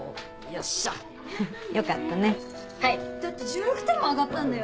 だって１６点も上がったんだよ。